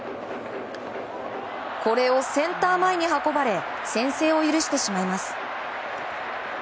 これをセンター前に運ばれ先制を許してしまいます。